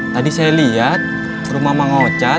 tadi saya lihat rumah mau ngocat